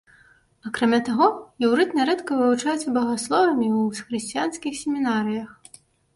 Акрамя таго, іўрыт нярэдка вывучаецца багасловамі і ў хрысціянскіх семінарыях.